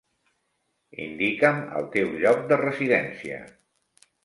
Indica'm el teu lloc de residència.